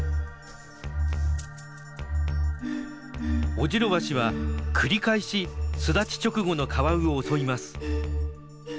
オジロワシは繰り返し巣立ち直後のカワウを襲います。